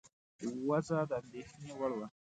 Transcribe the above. وضع د اندېښنې وړ وه.